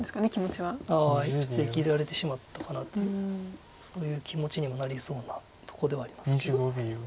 ちょっと生きられてしまったかなというそういう気持ちにもなりそうなとこではありますけど。